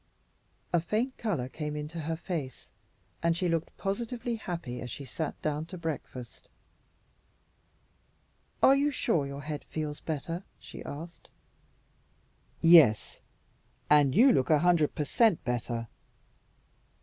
A faint color came into her face, and she looked positively happy as she sat down to breakfast. "Are you sure your head feels better?" she asked. "Yes, and you look a hundred per cent better.